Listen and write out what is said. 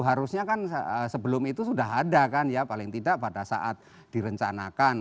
harusnya kan sebelum itu sudah ada kan ya paling tidak pada saat direncanakan